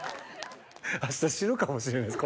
明日死ぬかもしれないです